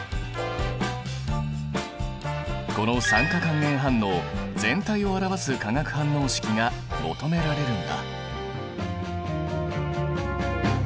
この酸化還元反応全体を表す化学反応式が求められるんだ。